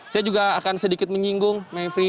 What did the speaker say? saya juga akan sedikit menyinggung mevri